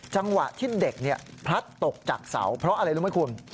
จังหวะที่เด็กพลัดตกจากเสาเพราะอะไรรู้ไหมคุณ